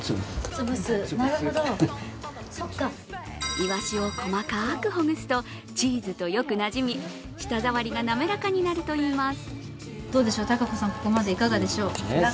いわしを細かくほぐすとチーズとよくなじみ舌触りが滑らかになると言います。